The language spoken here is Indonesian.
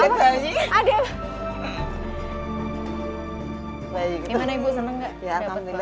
ya alhamdulillah amin ya